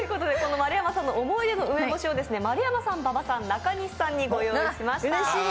丸山さんの思い出の梅干しを丸山さん、馬場さん中西さんにご用意しました。